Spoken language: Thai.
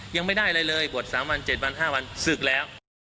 ยังไม่ได้อะไรเลยบวช๓วัน๗วัน๕วันศึกแล้ว